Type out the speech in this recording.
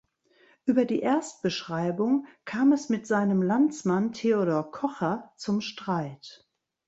Über die Erstbeschreibung kam es mit seinem Landsmann Theodor Kocher zum Streit.